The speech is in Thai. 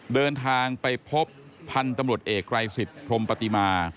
เดินทางไปพบพันธุ์ตำรวจเอกไรสิทธิพรมปฏิมา